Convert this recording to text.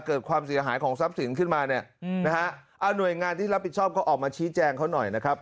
เกิดความเสียหายของทรัพย์สินขึ้นมาหน่วยงานที่รับผิดชอบก็ออกมาชี้แจงเขาหน่อย